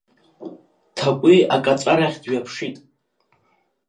Ҭакәи акаҵәарахь дҩаԥшит.